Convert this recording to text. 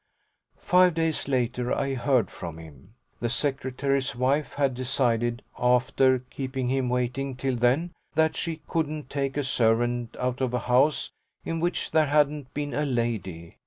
Five days later I heard from him. The secretary's wife had decided, after keeping him waiting till then, that she couldn't take a servant out of a house in which there hadn't been a lady.